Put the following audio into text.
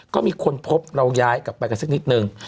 ก็มีคนพบเราย้ายกลับไปกันสักนิดนึง